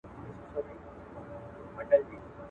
وريجې د میلمستیا ډوډۍ ده.